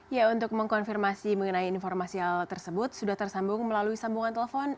ya untuk mengkonfirmasi mengenai informasi hal tersebut sudah tersambung melalui sambungan telepon